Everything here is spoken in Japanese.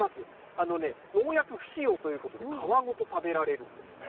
あのね、農薬不使用ということで皮ごと食べられるんですって。